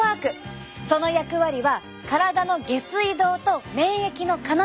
その役割は体の下水道と免疫の要！